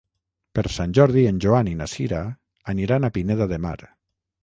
Per Sant Jordi en Joan i na Sira aniran a Pineda de Mar.